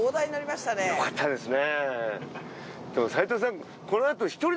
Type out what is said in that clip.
よかったですね。